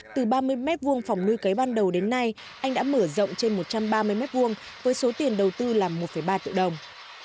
từ ba mươi mét vuông phòng nuôi cấy ban đầu đến nay anh đã mở rộng trên một trăm ba mươi mét vuông với số tiền đầu tư là một ba triệu đồng